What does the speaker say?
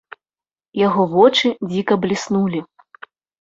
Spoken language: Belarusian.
Яго вочы дзіка бліснулі.